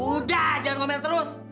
udah jangan ngomel terus